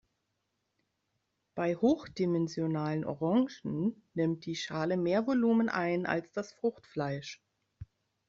Bei hochdimensionalen Orangen nimmt die Schale mehr Volumen ein als das Fruchtfleisch.